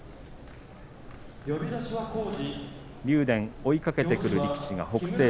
竜電、追いかけてくる力士が北青鵬。